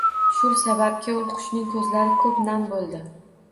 Shul sababki ul qushning ko‘zlari ko‘p nam bo‘ldi